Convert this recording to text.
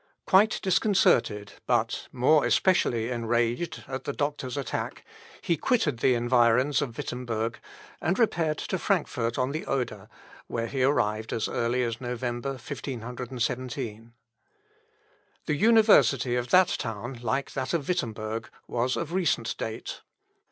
Quite disconcerted, but more especially enraged at the doctor's attack, he quitted the environs of Wittemberg, and repaired to Frankfort on the Oder, where he arrived as early as November, 1517. The university of that town, like that of Wittemberg, was of recent date.